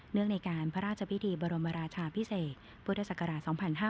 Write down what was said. งในการพระราชพิธีบรมราชาพิเศษพุทธศักราช๒๕๕๙